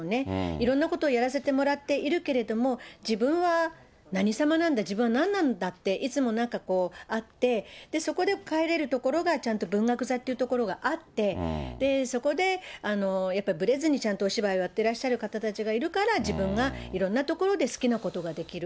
いろんなことをやらせてもらっているけれども、自分は何様なんだ、自分はなんなんだって、いつもなんかこう、あって、そこで帰れるところがちゃんと文学座っていうところがあって、そこでやっぱりぶれずにちゃんとお芝居をやってらっしゃる方たちがいるから、自分がいろんなところで好きなことができる。